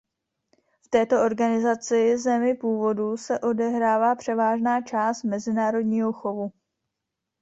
V této organizaci zemi původu se odehrává převážná část mezinárodního chovu.